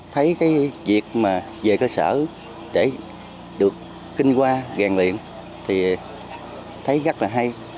thấy cái việc mà về cơ sở để được kinh qua gàn luyện thì thấy rất là hay